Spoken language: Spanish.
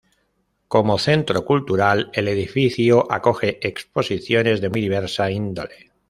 Como centro cultural, el edificio acoge exposiciones de muy diversa índole.